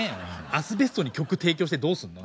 アスベストに曲提供してどうすんだよ？